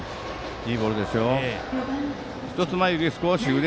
いいボールです。